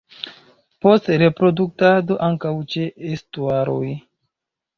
Post reproduktado ankaŭ ĉe estuaroj.